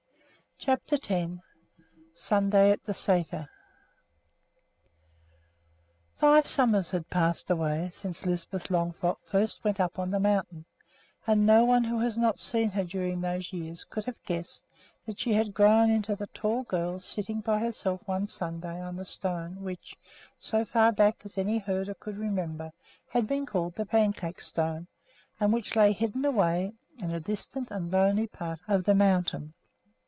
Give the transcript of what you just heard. CHAPTER X SUNDAY AT THE SÆTER Five summers had passed away since Lisbeth Longfrock first went up on the mountain; and no one who had not seen her during those years could have guessed that she had grown into the tall girl sitting by herself one Sunday on the stone which, so far back as any herder could remember, had been called the Pancake Stone, and which lay hidden away in a distant and lonely part of the mountain.